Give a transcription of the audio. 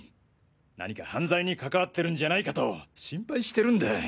何か犯罪に関わってるんじゃないかと心配してるんだ。